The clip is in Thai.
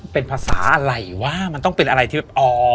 เป็นภาษาอะไรวะมันต้องเป็นอะไรที่แบบอ๋อ